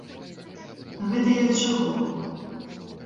Гэта я да чаго?